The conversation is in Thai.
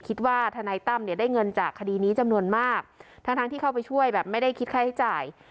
ทนายตั้มเนี่ยได้เงินจากคดีนี้จำนวนมากทั้งทั้งที่เข้าไปช่วยแบบไม่ได้คิดค่าใช้จ่าย